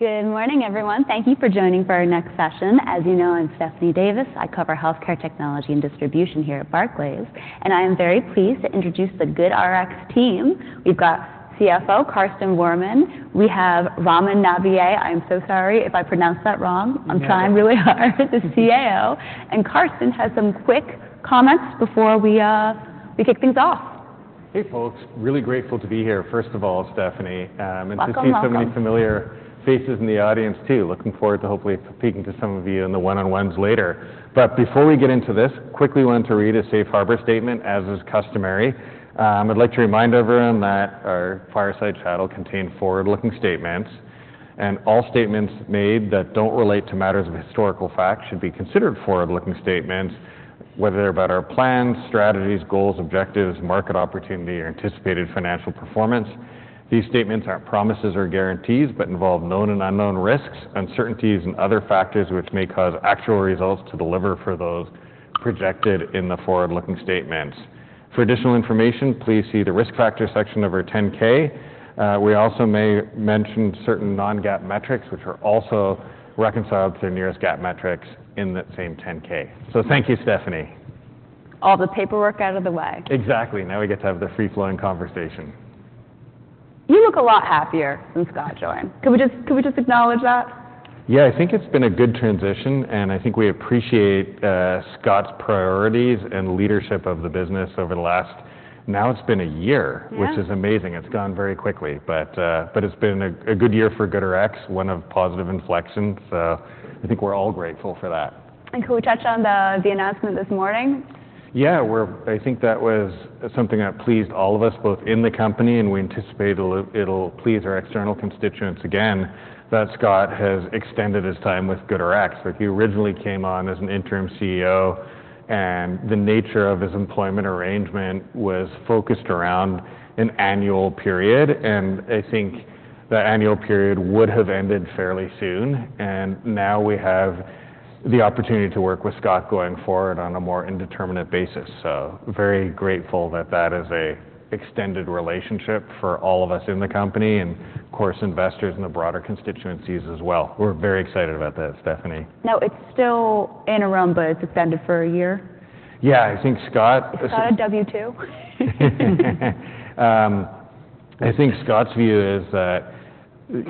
Good morning, everyone. Thank you for joining for our next session. As you know, I'm Stephanie Davis. I cover healthcare technology and distribution here at Barclays, and I am very pleased to introduce the GoodRx team. We've got CFO, Karsten Voermann. We have Ramin Ebrahimi, I'm so sorry if I pronounced that wrong- You got it. I'm trying really hard, the CAO, and Karsten has some quick comments before we kick things off. Hey, folks. Really grateful to be here, first of all, Stephanie. Welcome, welcome... And to see so many familiar faces in the audience, too. Looking forward to hopefully speaking to some of you in the one-on-ones later. But before we get into this, quickly wanted to read a safe harbor statement, as is customary. I'd like to remind everyone that our fireside chat will contain forward-looking statements, and all statements made that don't relate to matters of historical fact should be considered forward-looking statements, whether they're about our plans, strategies, goals, objectives, market opportunity, or anticipated financial performance. These statements aren't promises or guarantees, but involve known and unknown risks, uncertainties, and other factors, which may cause actual results to deliver for those projected in the forward-looking statements. For additional information, please see the Risk Factors section of our 10-K. We also may mention certain non-GAAP metrics, which are also reconciled to the nearest GAAP metrics in that same 10-K. Thank you, Stephanie. All the paperwork out of the way. Exactly. Now we get to have the free-flowing conversation. You look a lot happier since Scott joined. Can we just, can we just acknowledge that? Yeah, I think it's been a good transition, and I think we appreciate Scott's priorities and leadership of the business over the last... Now it's been a year- Yeah... which is amazing. It's gone very quickly, but it's been a good year for GoodRx, one of positive inflection, so I think we're all grateful for that. Can we touch on the announcement this morning? Yeah, we're--I think that was something that pleased all of us, both in the company, and we anticipate it'll please our external constituents again, that Scott has extended his time with GoodRx. Like, he originally came on as an interim CEO, and the nature of his employment arrangement was focused around an annual period, and I think that annual period would have ended fairly soon, and now we have the opportunity to work with Scott going forward on a more indeterminate basis. So very grateful that that is an extended relationship for all of us in the company, and of course, investors and the broader constituencies as well. We're very excited about that, Stephanie. Now, it's still interim, but it's extended for a year? Yeah, I think Scott- Is he on a W-2? I think Scott's view is that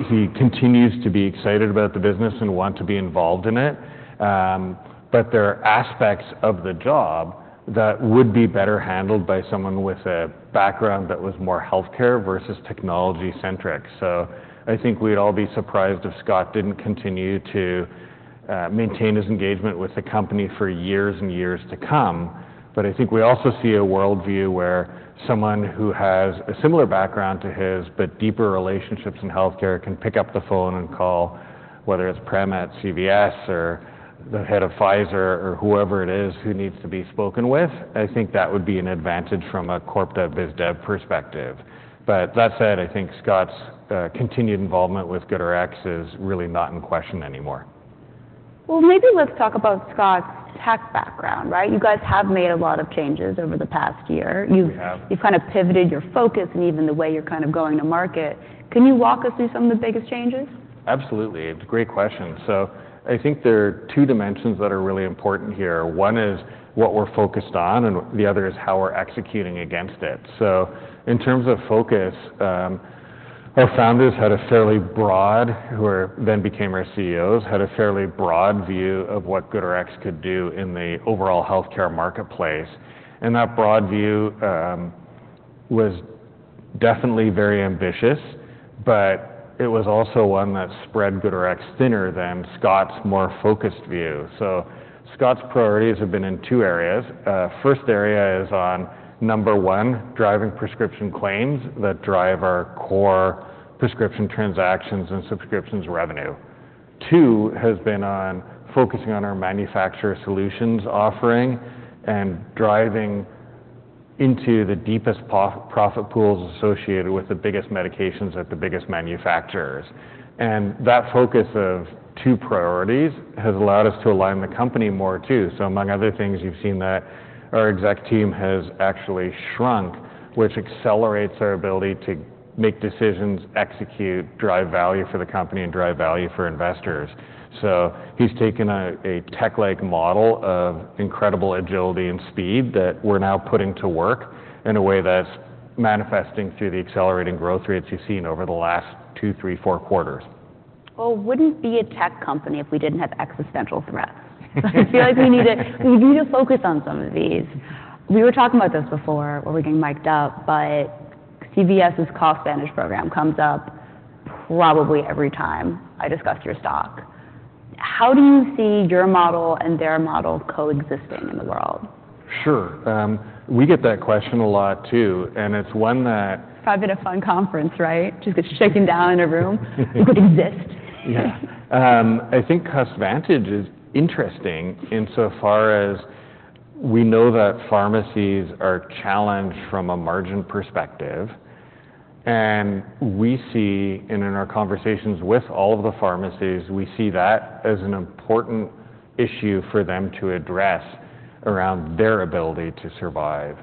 he continues to be excited about the business and want to be involved in it. But there are aspects of the job that would be better handled by someone with a background that was more healthcare versus technology-centric. So I think we'd all be surprised if Scott didn't continue to maintain his engagement with the company for years and years to come. But I think we also see a worldview where someone who has a similar background to his, but deeper relationships in healthcare, can pick up the phone and call, whether it's Prem at CVS or the head of Pfizer or whoever it is who needs to be spoken with. I think that would be an advantage from a Corp Dev, Biz Dev perspective. But that said, I think Scott's continued involvement with GoodRx is really not in question anymore. Well, maybe let's talk about Scott's tech background, right? You guys have made a lot of changes over the past year. We have. You've kind of pivoted your focus and even the way you're kind of going to market. Can you walk us through some of the biggest changes? Absolutely. It's a great question. So I think there are two dimensions that are really important here. One is what we're focused on, and the other is how we're executing against it. So in terms of focus, our founders, who then became our CEOs, had a fairly broad view of what GoodRx could do in the overall healthcare marketplace, and that broad view was definitely very ambitious, but it was also one that spread GoodRx thinner than Scott's more focused view. So Scott's priorities have been in two areas. First area is on, number one, driving prescription claims that drive our core prescription transactions and subscriptions revenue. Two, has been on focusing on our manufacturer solutions offering and driving into the deepest profit pools associated with the biggest medications at the biggest manufacturers. That focus of two priorities has allowed us to align the company more, too. Among other things, you've seen that our exec team has actually shrunk, which accelerates our ability to make decisions, execute, drive value for the company, and drive value for investors. He's taken a tech-like model of incredible agility and speed that we're now putting to work in a way that's manifesting through the accelerating growth rates you've seen over the last two, three, four quarters. Well, it wouldn't be a tech company if we didn't have existential threats. I feel like we need to, we need to focus on some of these. We were talking about this before, where we were getting mic'd up, but CVS's CostVantage program comes up probably every time I discuss your stock. How do you see your model and their model coexisting in the world? Sure. We get that question a lot, too, and it's one that- Probably been a fun conference, right? Just shaking down in a room. Do we exist? Yeah. I think CostVantage is interesting insofar as we know that pharmacies are challenged from a margin perspective, and we see, and in our conversations with all of the pharmacies, we see that as an important issue for them to address around their ability to survive.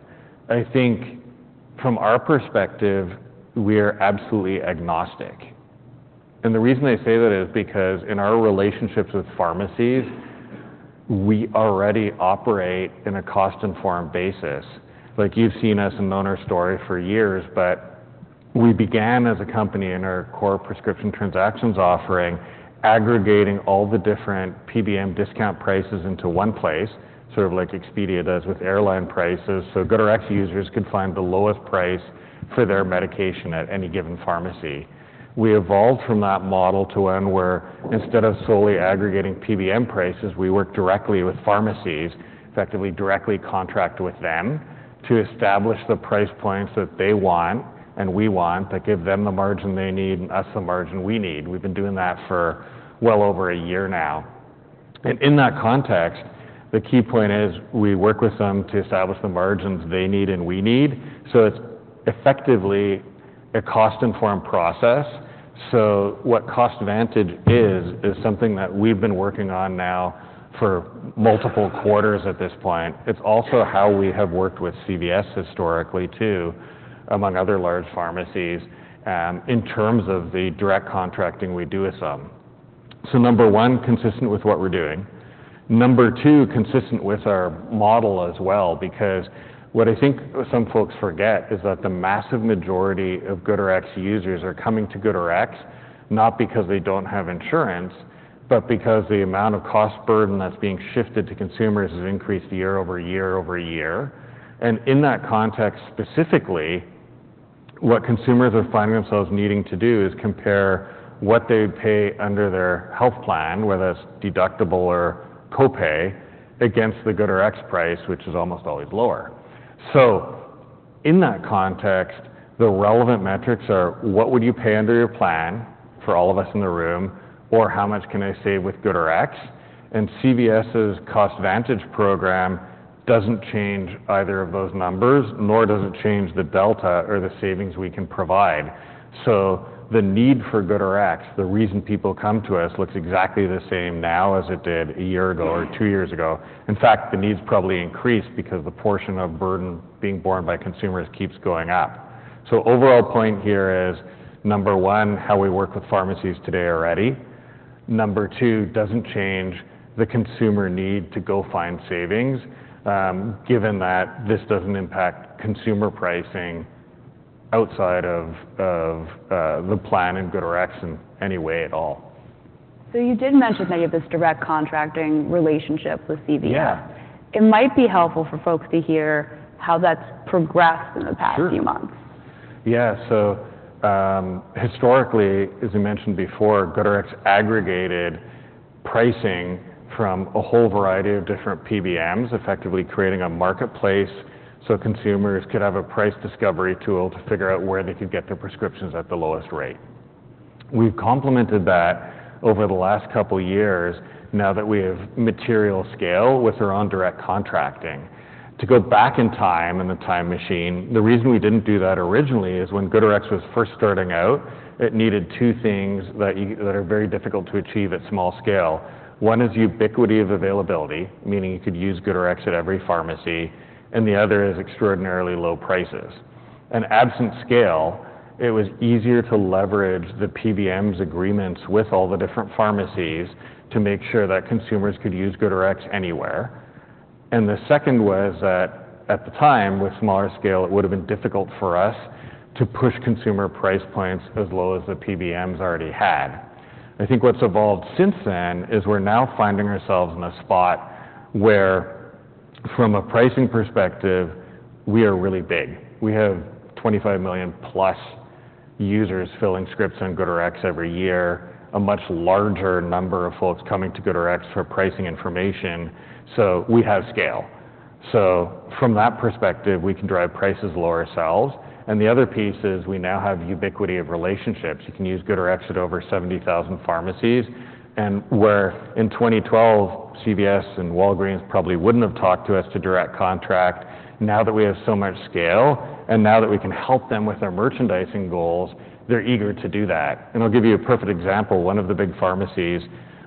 From our perspective, we are absolutely agnostic. The reason I say that is because in our relationships with pharmacies, we already operate in a cost-informed basis. Like, you've seen us and known our story for years, but we began as a company in our core prescription transactions offering, aggregating all the different PBM discount prices into one place, sort of like Expedia does with airline prices, so GoodRx users could find the lowest price for their medication at any given pharmacy. We evolved from that model to one where instead of solely aggregating PBM prices, we work directly with pharmacies, effectively directly contract with them, to establish the price points that they want and we want, that give them the margin they need and us the margin we need. We've been doing that for well over a year now. In that context, the key point is we work with them to establish the margins they need and we need, so it's effectively a cost-informed process. What CostVantage is, is something that we've been working on now for multiple quarters at this point. It's also how we have worked with CVS historically, too, among other large pharmacies, in terms of the direct contracting we do with them. Number one, consistent with what we're doing. Number two, consistent with our model as well, because what I think some folks forget is that the massive majority of GoodRx users are coming to GoodRx, not because they don't have insurance, but because the amount of cost burden that's being shifted to consumers has increased year over year over year. And in that context, specifically, what consumers are finding themselves needing to do is compare what they pay under their health plan, whether it's deductible or copay, against the GoodRx price, which is almost always lower. So in that context, the relevant metrics are: what would you pay under your plan for all of us in the room, or how much can I save with GoodRx? And CVS's CostVantage program doesn't change either of those numbers, nor does it change the delta or the savings we can provide. So the need for GoodRx, the reason people come to us, looks exactly the same now as it did a year ago or two years ago. In fact, the need's probably increased because the portion of burden being borne by consumers keeps going up. So overall point here is, number one, how we work with pharmacies today already. Number two, doesn't change the consumer need to go find savings, given that this doesn't impact consumer pricing outside of the plan in GoodRx in any way at all. So you did mention that you have this direct contracting relationship with CVS. Yeah. It might be helpful for folks to hear how that's progressed in the past few months. Sure. Yeah, so, historically, as we mentioned before, GoodRx aggregated pricing from a whole variety of different PBMs, effectively creating a marketplace so consumers could have a price discovery tool to figure out where they could get their prescriptions at the lowest rate. We've complemented that over the last couple of years now that we have material scale with our own direct contracting. To go back in time in the time machine, the reason we didn't do that originally is when GoodRx was first starting out, it needed two things that are very difficult to achieve at small scale. One is ubiquity of availability, meaning you could use GoodRx at every pharmacy, and the other is extraordinarily low prices. Absent scale, it was easier to leverage the PBMs' agreements with all the different pharmacies to make sure that consumers could use GoodRx anywhere. The second was that at the time, with smaller scale, it would have been difficult for us to push consumer price points as low as the PBMs already had. I think what's evolved since then is we're now finding ourselves in a spot where, from a pricing perspective, we are really big. We have 25 million-plus users filling scripts on GoodRx every year, a much larger number of folks coming to GoodRx for pricing information, so we have scale. From that perspective, we can drive prices lower ourselves. The other piece is we now have ubiquity of relationships. You can use GoodRx at over 70,000 pharmacies, and where in 2012, CVS and Walgreens probably wouldn't have talked to us to direct contract, now that we have so much scale and now that we can help them with their merchandising goals, they're eager to do that. I'll give you a perfect example. One of the big pharmacies,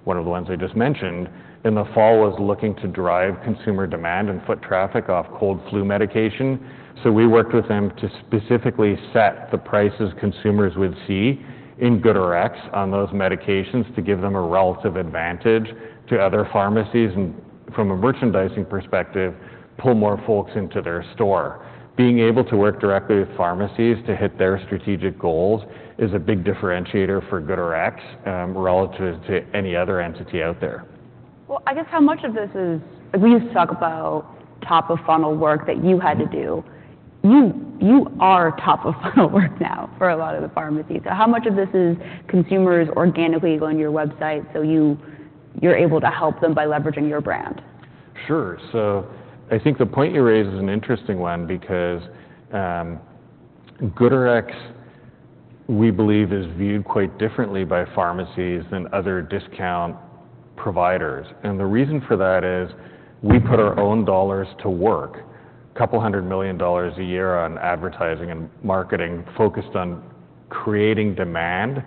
one of the ones I just mentioned, in the fall, was looking to drive consumer demand and foot traffic off cold flu medication. So we worked with them to specifically set the prices consumers would see in GoodRx on those medications to give them a relative advantage to other pharmacies and, from a merchandising perspective, pull more folks into their store. Being able to work directly with pharmacies to hit their strategic goals is a big differentiator for GoodRx relative to any other entity out there. Well, I guess how much of this is... We used to talk about top-of-funnel work that you had to do. You, you are top-of-funnel work now for a lot of the pharmacies. So how much of this is consumers organically going to your website, so you, you're able to help them by leveraging your brand? Sure. So I think the point you raise is an interesting one because, GoodRx, we believe, is viewed quite differently by pharmacies than other discount providers. And the reason for that is we put our own dollars to work, $200 million a year on advertising and marketing, focused on creating demand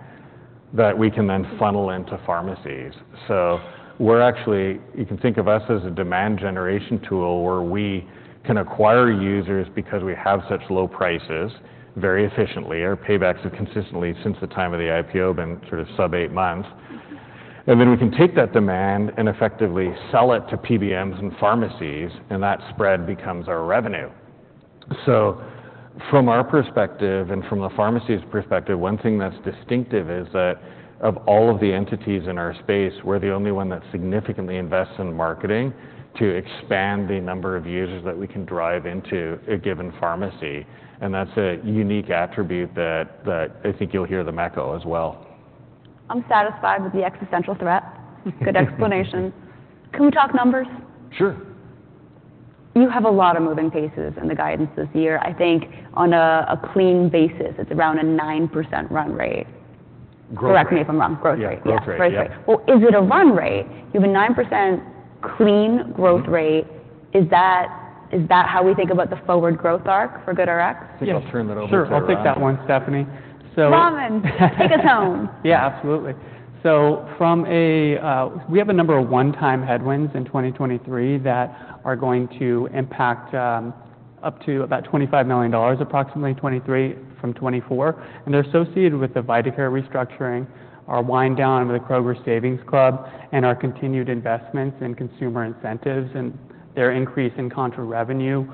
that we can then funnel into pharmacies. So we're actually you can think of us as a demand generation tool, where we can acquire users because we have such low prices, very efficiently. Our paybacks have consistently, since the time of the IPO, been sort of sub 8 months. And then we can take that demand and effectively sell it to PBMs and pharmacies, and that spread becomes our revenue. So from our perspective, and from the pharmacy's perspective, one thing that's distinctive is that of all of the entities in our space, we're the only one that significantly invests in marketing to expand the number of users that we can drive into a given pharmacy, and that's a unique attribute that I think you'll hear the MEC as well. I'm satisfied with the existential threat. Good explanation. Can we talk numbers? Sure. You have a lot of moving pieces in the guidance this year. I think on a clean basis, it's around a 9% run rate. Growth rate. Correct me if I'm wrong. Growth rate, yes. Yeah, growth rate, yep. Growth rate. Well, is it a run rate? You have a 9% clean growth rate. Mm-hmm. Is that, is that how we think about the forward growth arc for GoodRx? I think I'll turn that over to Ramin. Sure, I'll take that one, Stephanie. So- Ramin, take us home. Yeah, absolutely. So from a, We have a number of one-time headwinds in 2023 that are going to impact up to about $25 million, approximately $23 million from 2024, and they're associated with the VitaCare restructuring, our wind down with the Kroger Savings Club, and our continued investments in consumer incentives, and their increase in contra revenue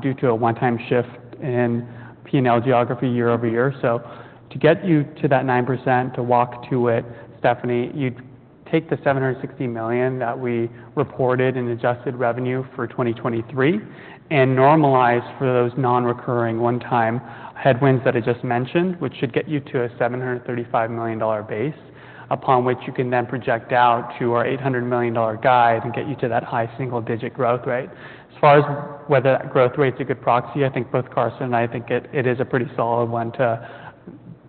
due to a one-time shift in P&L geography year-over-year. So to get you to that 9%, to walk to it, Stephanie, you'd take the $760 million that we reported in adjusted revenue for 2023, and normalize for those non-recurring, one-time headwinds that I just mentioned, which should get you to a $735 million base, upon which you can then project out to our $800 million guide and get you to that high single-digit growth rate. As far as whether that growth rate's a good proxy, I think both Karsten and I think it is a pretty solid one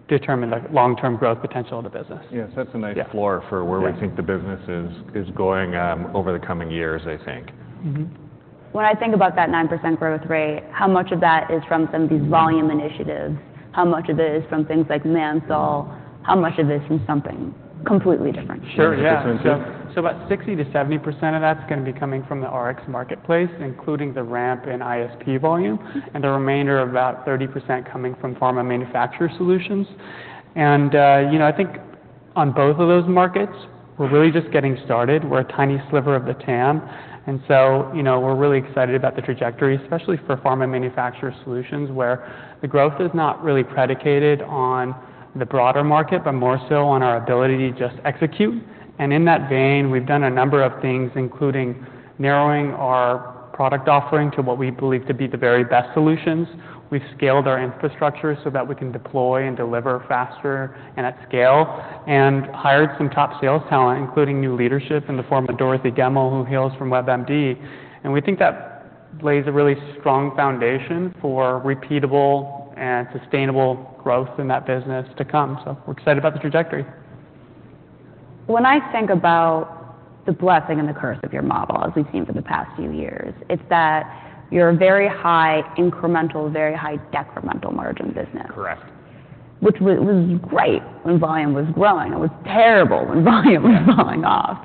to determine the long-term growth potential of the business. Yes, that's a nice floor- Yeah... for where we think the business is, is going, over the coming years, I think. Mm-hmm. When I think about that 9% growth rate, how much of that is from some of these volume initiatives? How much of it is from things like ManSol? How much of it is from something completely different? Sure, yeah. Completely different. So, so about 60%-70% of that's gonna be coming from the Rx marketplace, including the ramp in ISP volume, and the remainder, about 30%, coming from Pharma Manufacturer Solutions. And, you know, I think on both of those markets, we're really just getting started. We're a tiny sliver of the TAM, and so, you know, we're really excited about the trajectory, especially for Pharma Manufacturer Solutions, where the growth is not really predicated on the broader market, but more so on our ability to just execute. And in that vein, we've done a number of things, including narrowing our product offering to what we believe to be the very best solutions. We've scaled our infrastructure so that we can deploy and deliver faster and at scale, and hired some top sales talent, including new leadership in the form of Dorothy Gemmell, who hails from WebMD. We think that lays a really strong foundation for repeatable and sustainable growth in that business to come. We're excited about the trajectory. When I think about the blessing and the curse of your model, as we've seen for the past few years, it's that you're a very high incremental, very high decremental margin business. Correct. Which was great when volume was growing. It was terrible when volume was falling off.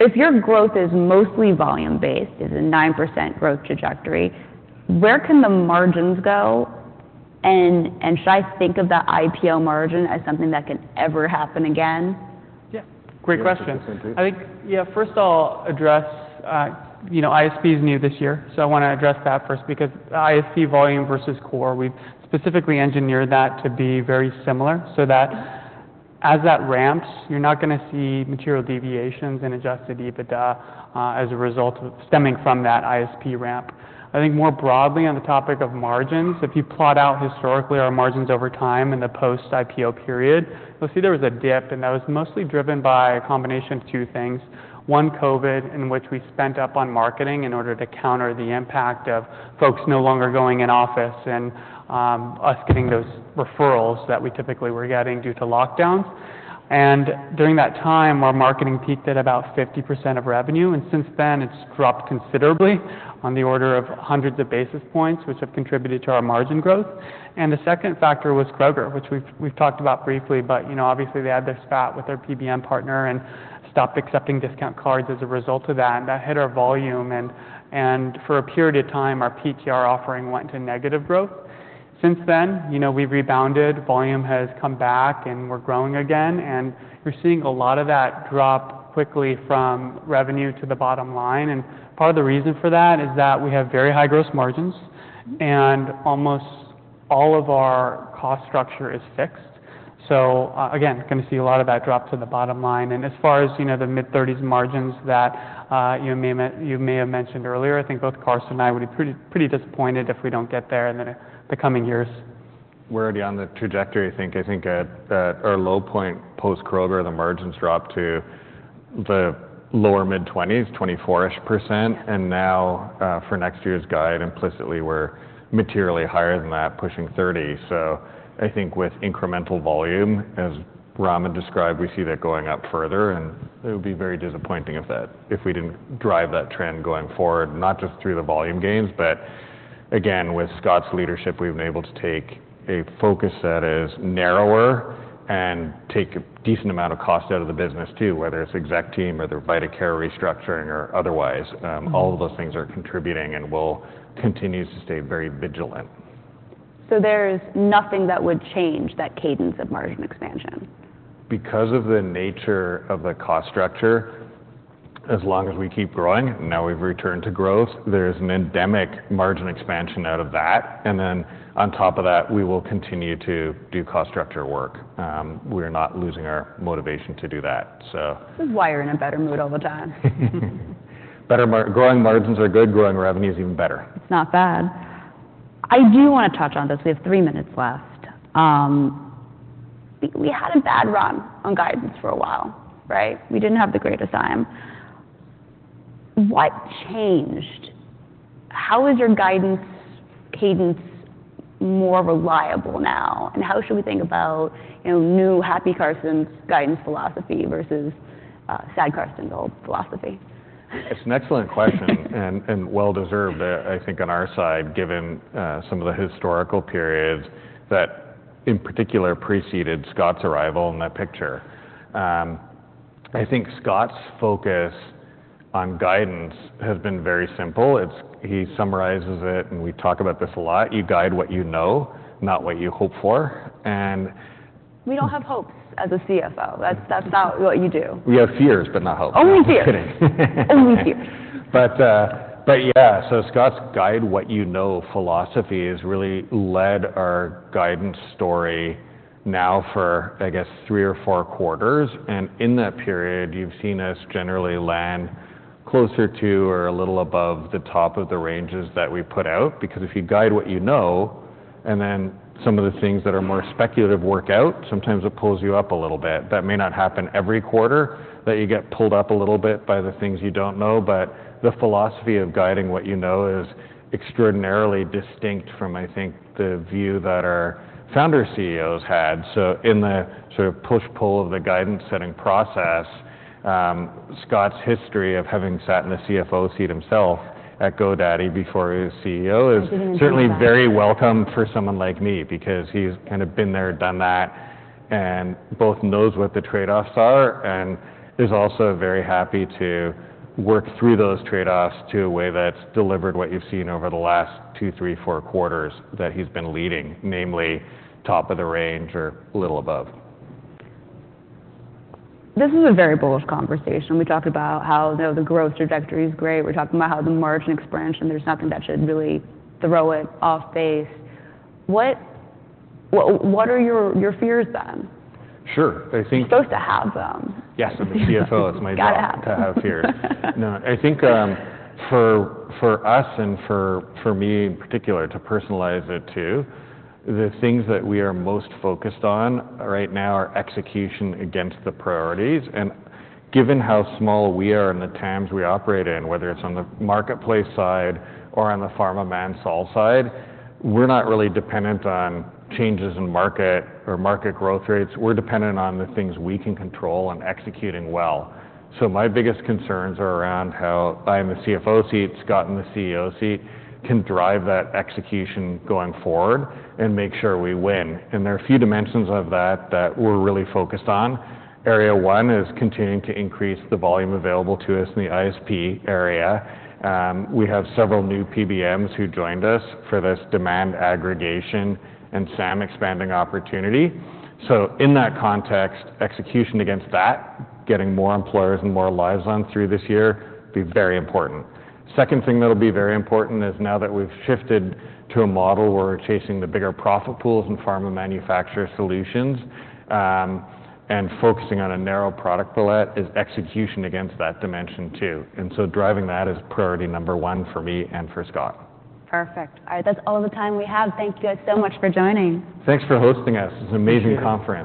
If your growth is mostly volume-based, is a 9% growth trajectory, where can the margins go? And, and should I think of that IPO margin as something that can ever happen again? Yeah, great question. Great question. I think... Yeah, first I'll address, you know, ISP is new this year, so I wanna address that first, because ISP volume versus core, we've specifically engineered that to be very similar, so that as that ramps, you're not gonna see material deviations in adjusted EBITDA, as a result of stemming from that ISP ramp. I think more broadly, on the topic of margins, if you plot out historically our margins over time in the post-IPO period, you'll see there was a dip, and that was mostly driven by a combination of two things. One, COVID, in which we spent up on marketing in order to counter the impact of folks no longer going in office and, us getting those referrals that we typically were getting due to lockdowns. During that time, our marketing peaked at about 50% of revenue, and since then, it's dropped considerably on the order of hundreds of basis points, which have contributed to our margin growth. The second factor was Kroger, which we've talked about briefly, but you know, obviously, they had their spat with their PBM partner and stopped accepting discount cards as a result of that, and that hit our volume and for a period of time, our PTR offering went to negative growth. Since then, you know, we've rebounded. Volume has come back, and we're growing again, and you're seeing a lot of that drop quickly from revenue to the bottom line. Part of the reason for that is that we have very high gross margins, and almost all of our cost structure is fixed. So again, gonna see a lot of that drop to the bottom line. And as far as, you know, the mid-thirties margins that you may have mentioned earlier, I think both Karsten and I would be pretty, pretty disappointed if we don't get there in the coming years. We're already on the trajectory, I think. I think at, at our low point, post-Kroger, the margins dropped to the lower mid-20s, 24-ish%, and now, for next year's guide, implicitly, we're materially higher than that, pushing 30. So I think with incremental volume, as Ramin described, we see that going up further, and it would be very disappointing if we didn't drive that trend going forward, not just through the volume gains, but. Again, with Scott's leadership, we've been able to take a focus that is narrower and take a decent amount of cost out of the business, too, whether it's exec team or the VitaCare restructuring or otherwise. All of those things are contributing and we'll continue to stay very vigilant. So there's nothing that would change that cadence of margin expansion? Because of the nature of the cost structure, as long as we keep growing, now we've returned to growth, there's an endemic margin expansion out of that, and then on top of that, we will continue to do cost structure work. We're not losing our motivation to do that, so- This is why you're in a better mood all the time. Better growing margins are good, growing revenue is even better. It's not bad. I do wanna touch on this. We have three minutes left. We had a bad run on guidance for a while, right? We didn't have the greatest time. What changed? How is your guidance cadence more reliable now, and how should we think about, you know, new happy Karsten's guidance philosophy versus sad Karsten's old philosophy? It's an excellent question, and well-deserved, I think on our side, given some of the historical periods that, in particular, preceded Scott's arrival in that picture. I think Scott's focus on guidance has been very simple. It's: he summarizes it, and we talk about this a lot, "You guide what you know, not what you hope for," and- We don't have hopes as a CFO. That's, that's not what you do. We have fears, but not hopes. Only fears! I'm kidding. Only fears. But, but yeah, so Scott's guide what you know philosophy has really led our guidance story now for, I guess, three or four quarters, and in that period, you've seen us generally land closer to or a little above the top of the ranges that we put out, because if you guide what you know, and then some of the things that are more speculative work out, sometimes it pulls you up a little bit. That may not happen every quarter, that you get pulled up a little bit by the things you don't know, but the philosophy of guiding what you know is extraordinarily distinct from, I think, the view that our founder CEOs had. So in the sort of push-pull of the guidance-setting process, Scott's history of having sat in the CFO seat himself at GoDaddy before he was CEO is- He didn't do that.... certainly very welcome for someone like me, because he's kind of been there, done that, and both knows what the trade-offs are and is also very happy to work through those trade-offs to a way that's delivered what you've seen over the last 2, 3, 4 quarters that he's been leading, namely top of the range or a little above. This is a very bullish conversation. We talked about how, you know, the growth trajectory is great. We're talking about how the margin expansion, there's nothing that should really throw it off base. What, what are your fears, then? Sure. I think- You're supposed to have them. Yes, I'm the CFO. It's my job- Gotta have them.... to have fears. No, I think, for us and for me in particular, to personalize it, too, the things that we are most focused on right now are execution against the priorities, and given how small we are and the times we operate in, whether it's on the marketplace side or on the pharma ManSol side, we're not really dependent on changes in market or market growth rates. We're dependent on the things we can control and executing well. So my biggest concerns are around how I, in the CFO seat, Scott in the CEO seat, can drive that execution going forward and make sure we win. There are a few dimensions of that that we're really focused on. Area one is continuing to increase the volume available to us in the ISP area. We have several new PBMs who joined us for this demand aggregation and SAM expanding opportunity. So in that context, execution against that, getting more employers and more lives on through this year, will be very important. Second thing that'll be very important is now that we've shifted to a model where we're chasing the bigger profit pools in Pharma Manufacturer Solutions, and focusing on a narrow product palette, is execution against that dimension, too. And so driving that is priority number one for me and for Scott. Perfect. All right, that's all the time we have. Thank you guys so much for joining. Thanks for hosting us. Thank you. It's an amazing conference.